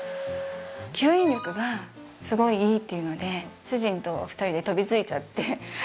吸引力がすごいいいっていうので主人と２人で飛びついちゃって。